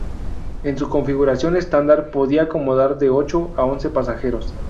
En su configuración estándar podía acomodar de ocho a once pasajeros.